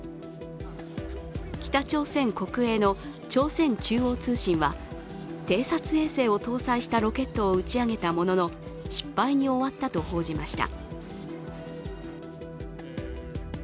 北朝鮮国営の朝鮮中央通信は偵察衛星を搭載したロケットを打ち上げたものの失敗に終わったと報じました。